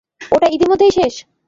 ওটা ইতিমধ্যেই শেষ?